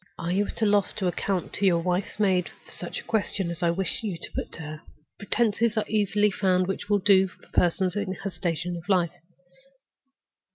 "Are you at a loss to account to your wife's maid for such a question as I wish you to put to her? Pretenses are easily found which will do for persons in her station of life.